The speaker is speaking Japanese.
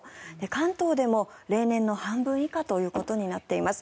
関東でも例年の半分以下ということになっています。